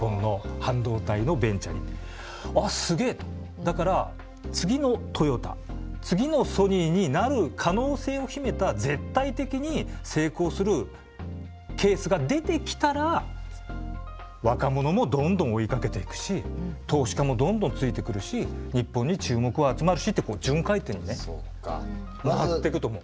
だから次のトヨタ次のソニーになる可能性を秘めた絶対的に成功するケースが出てきたら若者もどんどん追いかけていくし投資家もどんどんついてくるし日本に注目は集まるしって順回転にね回っていくと思う。